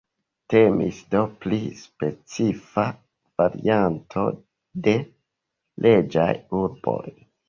Temis do pri specifa varianto de reĝaj urboj.